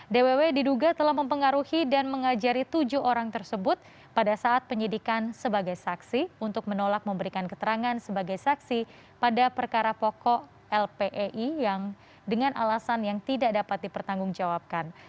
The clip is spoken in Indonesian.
dww diduga telah mempengaruhi dan mengajari tujuh orang tersebut pada saat penyidikan sebagai saksi untuk menolak memberikan keterangan sebagai saksi pada perkara pokok lpei yang dengan alasan yang tidak dapat dipertanggungjawabkan